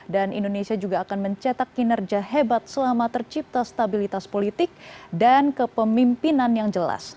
dan indonesia juga akan mencetak kinerja hebat selama tercipta stabilitas politik dan kepemimpinan yang jelas